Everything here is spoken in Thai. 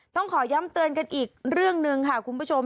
ต้องขอย้ำเตือนกันอีกเรื่องหนึ่งค่ะคุณผู้ชม